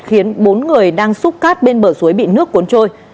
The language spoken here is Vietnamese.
khiến bốn người đang xúc cát bên bờ suối bị nước cuốn trôi